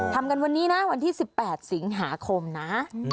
ทำกันวันนี้นะวันที่๑๘สิงหาคมนะ